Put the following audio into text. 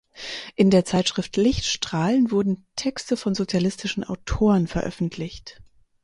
In der Zeitschrift "Lichtstrahlen" wurden Texte von sozialistischen Autoren veröffentlicht